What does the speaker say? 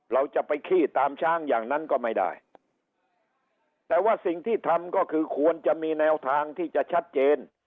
เราจะไปขี้ตามช้างอย่างนั้นก็ไม่ได้แต่ว่าสิ่งที่ทำก็คือควรจะมีแนวทางที่จะชัดเจน